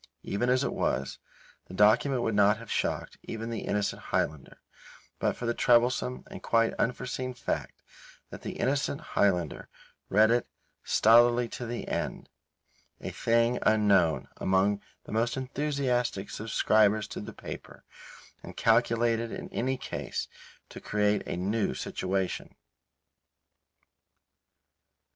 Even as it was, the document would not have shocked even the innocent Highlander, but for the troublesome and quite unforeseen fact that the innocent Highlander read it stolidly to the end; a thing unknown among the most enthusiastic subscribers to the paper, and calculated in any case to create a new situation.